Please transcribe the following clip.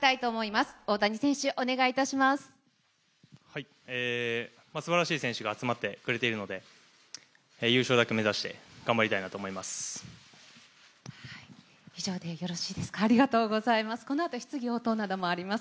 すばらしい選手が集まってくれているので、優勝だけ目指して頑張りたいなと思います。